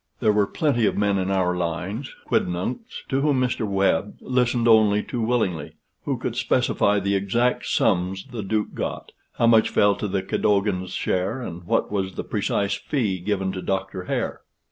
There were plenty of men in our lines, quidnuncs, to whom Mr. Webb listened only too willingly, who could specify the exact sums the Duke got, how much fell to Cadogan's share, and what was the precise fee given to Doctor Hare.